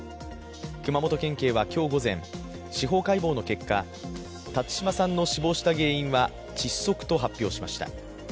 熊本県警は今日午前、司法解剖の結果、辰島さんの死亡した原因は窒息と発表しました。